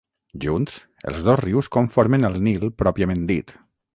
Junts, els dos rius conformen el Nil pròpiament dit.